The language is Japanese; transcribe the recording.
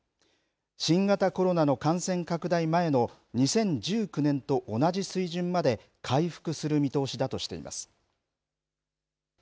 新型コロナの感染拡大前の２０１９年と同じ水準まで回復する見通しだとしています。